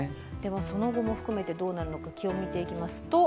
その後も含めてどうなるのか気温を見ていきますと。